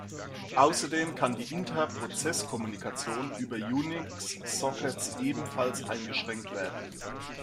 Außerdem kann die Interprozesskommunikation über Unix-Sockets ebenfalls eingeschränkt werden.